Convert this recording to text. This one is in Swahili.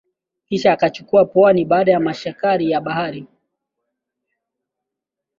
kisha akachukua pwani ya mashariki ya Bahari ya